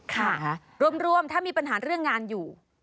ค่ะรวมถ้ามีปัญหาเรื่องงานอยู่